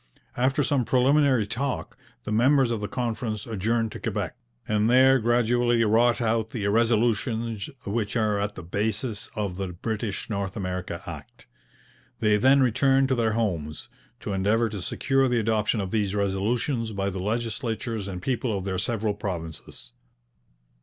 After some preliminary talk, the members of the conference adjourned to Quebec, and there gradually wrought out the resolutions which are at the basis of the British North America Act. They then returned to their homes, to endeavour to secure the adoption of these resolutions by the legislatures and people of their several provinces.